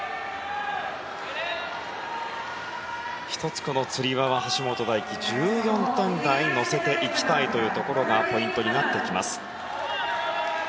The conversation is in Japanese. １つこのつり輪は橋本大輝１４点台に乗せていきたいというところがポイントになってきます。